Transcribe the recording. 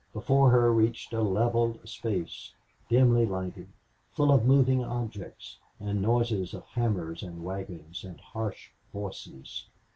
Before her reached a leveled space, dimly lighted, full of moving objects, and noise of hammers and wagons, and harsh voices.